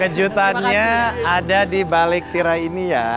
kejutannya ada di balik tirai ini ya